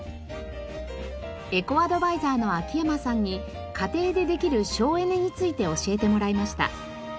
エコアドバイザーの秋山さんに家庭でできる省エネについて教えてもらいました。